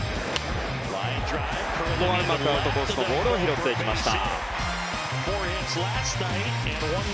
ここはアウトコースのボールを拾っていきました。